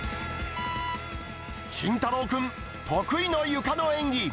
心大朗君、得意のゆかの演技。